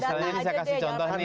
misalnya ini saya kasih contoh nih